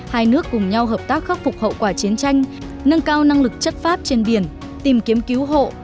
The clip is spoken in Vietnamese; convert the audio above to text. hai nước cùng nhau hợp tác khắc phục hậu quả chiến tranh nâng cao năng lực chất pháp trên biển tìm kiếm cứu hộ